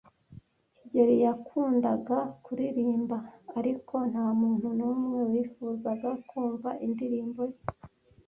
kigeli yakundaga kuririmba, ariko ntamuntu numwe wifuzaga kumva indirimbo ye.